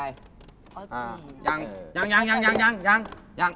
ยังยัง